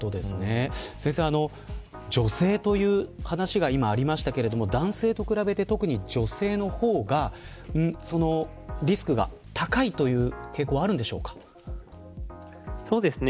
先生、女性という話が今、ありましたが男性と比べて、特に女性の方がそのリスクが高いという傾向はそうですね。